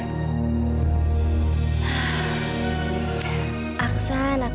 aku juga gak sanggup